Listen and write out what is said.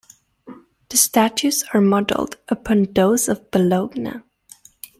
The statutes are modelled upon those of Bologna.